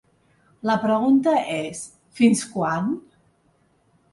La pregunta és: fins quan?